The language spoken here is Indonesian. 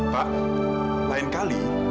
pak lain kali